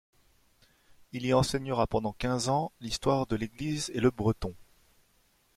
Il y enseignera pendant quinze ans l’histoire de l’Église et le breton.